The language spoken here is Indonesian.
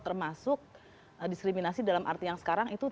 termasuk diskriminasi dalam arti yang sekarang itu